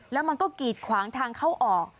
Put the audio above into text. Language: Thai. แล้วมันก็กีดขวางทางเข้าออก